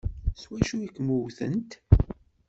S wacu ay kem-wtent?